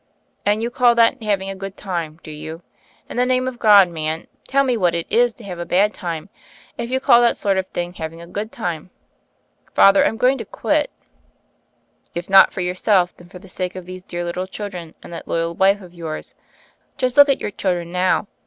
"And you call that having a good time, do you? In the name of God, man, tell me what it is to have a bsd time, if you call that sort of thing having a good time?" "Father, I'm going to quit." "If not for yourself, then for the sake of these dear little children and that loyal wife of yours. Just look at your children now.